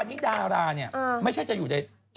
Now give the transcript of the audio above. หนิว่าไม่จริงแล้ว